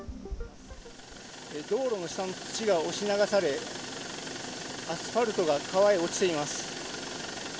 道路の下の土が押し流され、アスファルトが川に落ちています。